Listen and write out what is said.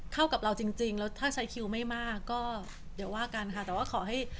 ถ้ายังมากก็จะเดียวว่ากันค่ะ